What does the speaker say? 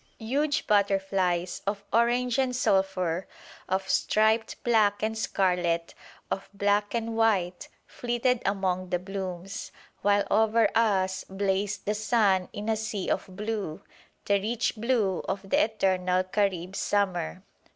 Huge butterflies of orange and sulphur, of striped black and scarlet, of black and white, flitted among the blooms; while over us blazed the sun in a sea of blue, the rich blue of the eternal Carib summer.